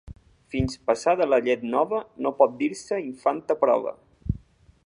Fins passada la llet nova no pot dir-se infant a prova.